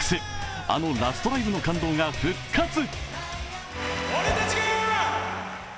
あのラストライブの感動が復活。